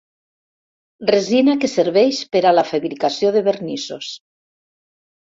Resina que serveix per a la fabricació de vernissos.